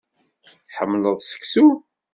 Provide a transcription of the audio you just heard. Tḥemmleḍ seksu.